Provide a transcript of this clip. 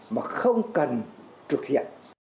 mà không cần trực diện